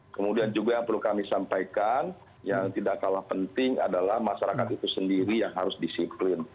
kemudian juga yang perlu kami sampaikan yang tidak kalah penting adalah masyarakat itu sendiri yang harus disiplin